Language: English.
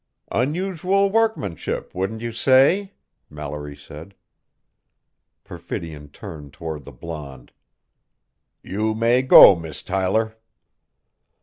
"Unusual workmanship, wouldn't you say?" Mallory said. Perfidion turned toward the blonde. "You may go, Miss Tyler."